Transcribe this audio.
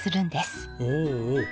おおおお。